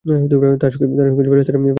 তার সঙ্গে ছিল ফেরেশতাগণের একটি বাহিনী।